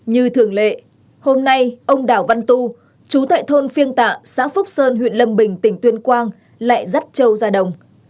như thường lệ hôm nay ông đảo văn tu chú thại thôn phiên tạ xã phúc sơn huyện lâm bình tỉnh tuyên quang lại dắt châu ra đồng